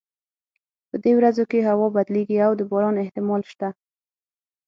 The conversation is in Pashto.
په دې ورځو کې هوا بدلیږي او د باران احتمال شته